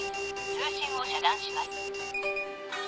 通信を遮断します。